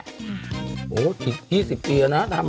โหถึง๒๐ตีแล้วนะถามมา